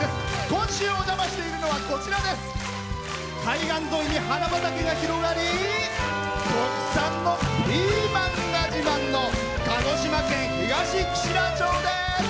今週お邪魔しているのは海岸沿いに花畑が広がり特産のピーマンが自慢の鹿児島県東串良町です。